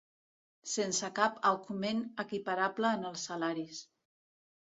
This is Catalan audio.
Sense cap augment equiparable en els salaris